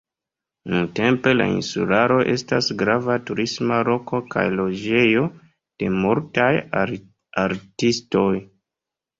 Nuntempe la insularo estas grava turisma loko kaj loĝejo de multaj artistoj.